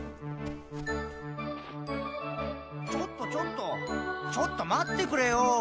ちょっとちょっとちょっと待ってくれよ！